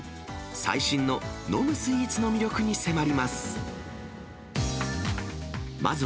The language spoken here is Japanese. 最新の飲むスイーツの魅力に迫ります。